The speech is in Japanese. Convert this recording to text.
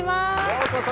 ようこそ。